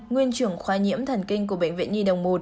nguyên trưởng khoa nhiễm thần kinh của bệnh viện nhi đồng một